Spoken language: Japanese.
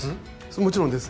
もちろんです。